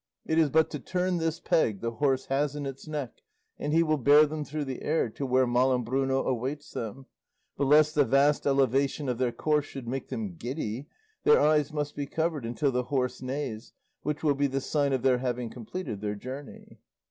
It is but to turn this peg the horse has in his neck, and he will bear them through the air to where Malambruno awaits them; but lest the vast elevation of their course should make them giddy, their eyes must be covered until the horse neighs, which will be the sign of their having completed their journey."